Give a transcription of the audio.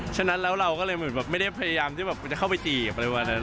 ฉะนั้นแล้วเราก็เลยไม่ได้พยายามที่จะเข้าไปจีบอะไรแบบนั้น